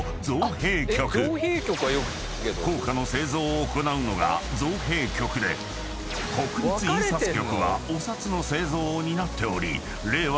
［硬貨の製造を行うのが造幣局で国立印刷局はお札の製造を担っており令和